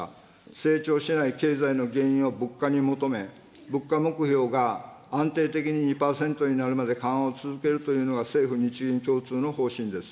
成長しない経済の原因を物価に求め、物価目標が安定的に２％になるまで緩和を続けるというのが政府・日銀共通の方針です。